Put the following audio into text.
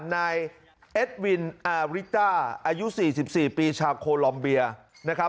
นายเอดวินอาริตาอายุ๔๔ปีชาวโครลอมเบียร์